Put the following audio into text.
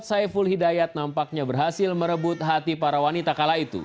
saiful hidayat nampaknya berhasil merebut hati para wanita kala itu